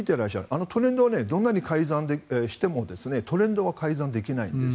あのトレンドは数字をどんなに改ざんしてもトレンドは改ざんできないんです。